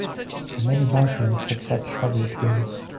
Many biplanes have such staggered wings.